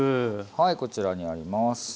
はいこちらにあります。